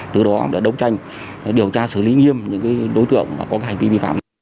từ đó đấu tranh điều tra xử lý nghiêm những đối tượng có hành vi vi phạm